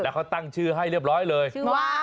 ก็ตั้งชื่อให้เรียบร้อยเลยว่า